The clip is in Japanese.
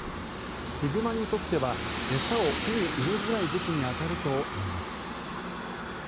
ヒグマにとっては餌を手に入れづらい時期に当たるといいます。